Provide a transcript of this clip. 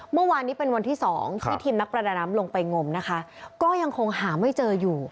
เมื่อวานนี้เป็นวันที่สองที่ทีมนักประดาน้ำลงไปงมนะคะก็ยังคงหาไม่เจออยู่